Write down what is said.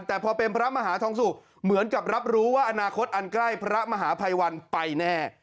แต่พอเป็นพระมหาทองสุกเหมือนกับรับรู้ว่าอนาคตอันใกล้พระมหาภัยวันไปแน่